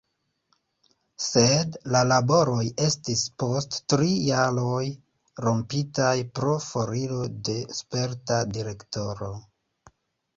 Sed la laboroj estis post tri jaroj rompitaj pro foriro de sperta direktoro.